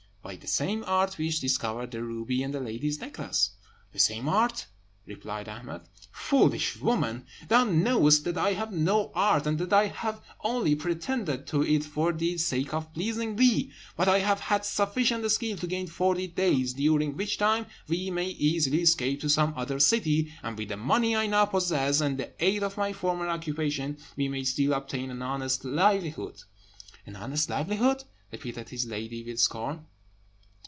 "By the same art which discovered the ruby and the lady's necklace." "The same art!" replied Ahmed. "Foolish woman! thou knowest that I have no art, and that I have only pretended to it for the sake of pleasing thee. But I have had sufficient skill to gain forty days, during which time we may easily escape to some other city; and with the money I now possess, and the aid of my former occupation, we may still obtain an honest livelihood." "An honest livelihood!" repeated his lady, with scorn.